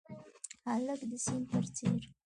هلک د سیند پر څپو